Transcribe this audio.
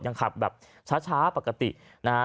ยังขับแบบช้าปกตินะฮะ